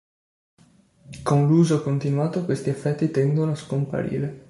Con l'uso continuato questi effetti tendono a scomparire.